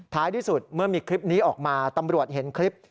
ที่สุดเมื่อมีคลิปนี้ออกมาตำรวจเห็นคลิป